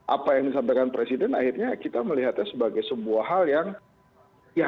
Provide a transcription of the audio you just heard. apa yang disampaikan presiden akhirnya kita melihatnya sebagai sebuah hal yang